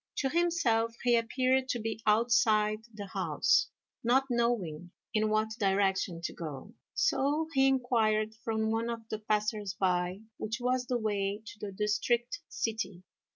To himself he appeared to be outside the house, not knowing in what direction to go, so he inquired from one of the passers by which was the way to the district city.